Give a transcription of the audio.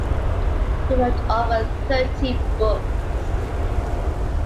He wrote over thirty books.